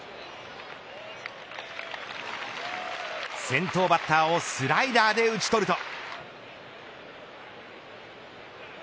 先頭バッターをスライダーで打ち取ると。